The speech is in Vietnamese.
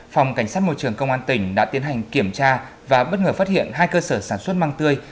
phòng cảnh sát môi trường công an tỉnh đã tiến hành kiểm tra và bất ngờ phát hiện hai cơ sở sản xuất măng tươi